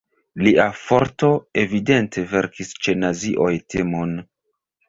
Lia forto evidente vekis ĉe nazioj timon.